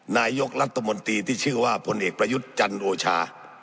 นายกรัฐมนตรีที่ชื่อว่าพลเอกประยุทธ์จันโอชา